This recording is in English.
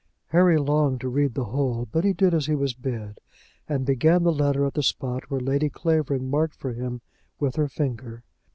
Harry longed to read the whole, but he did as he was bid, and began the letter at the spot which Lady Clavering marked for him with her finger.